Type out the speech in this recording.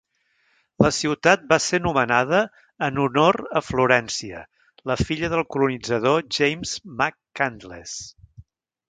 La ciutat va ser nomenada en honor a Florència, la filla del colonitzador James McCandless.